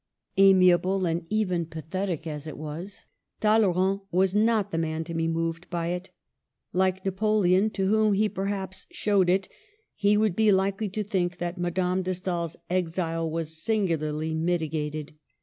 Amiable, and even pathetic as it was, Talleyrand was not the man to be moved by it. Like Napoleon, to whom he perhaps showed it, he would be likely to think that Madame de Stael's " exile " was singularly mitigated.